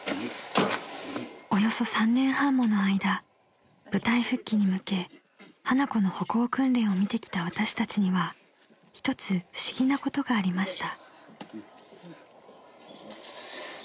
［およそ３年半もの間舞台復帰に向け花子の歩行訓練を見てきた私たちには１つ不思議なことがありました］